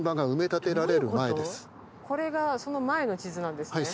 これがその前の地図なんですね。